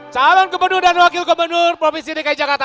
calon kebenur dan wakil kebenur provinsi dki jakarta